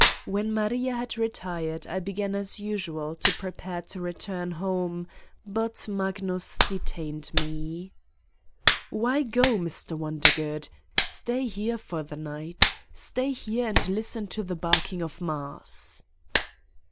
When Maria had retired I began as usual to prepare to return home but Magnus detained me. "Why go, Mr. Wondergood? Stay here for 103 Satan's Diary the night. Stay here and listen to the barking of Mars!"